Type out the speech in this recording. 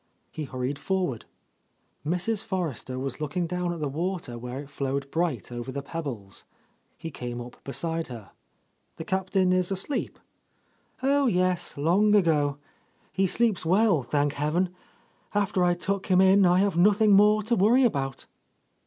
He hurried forward. Mrs. Forrester was looking down at the water where it flowed bright over the pebbles. He canie up beside her. "The Captain is asleep?" A Lost Lady "Oh, yes, long ago! He sleeps well, thank heaven! After I tuck him in, I have nothing more to worry about."